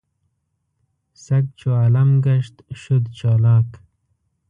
سګ چو عالم ګشت شد چالاک.